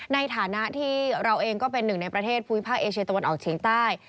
ในฐานะที่เราเองก็เป็นหนึ่งในประเทศภูมิภาคเอเชียตะวันออกเฉียงใต้